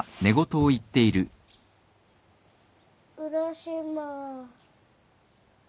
浦島。